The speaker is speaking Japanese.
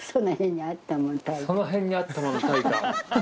その辺にあったもん炊いた？